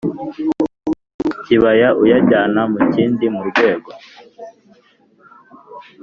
Kibaya uyajyana mu kindi mu rwego